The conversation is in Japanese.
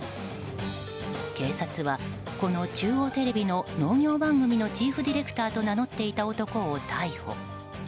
警察はこの中央テレビの農業番組のチーフディレクターと名乗っていた男を逮捕。